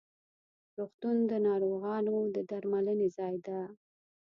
روغتون د ناروغانو د درملنې ځای ده.